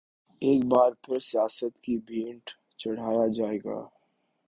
ایک بار پھر سیاست کی بھینٹ چڑھایا جائے گا؟